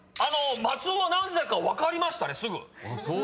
松尾はなぜだか分かりましたねすぐ。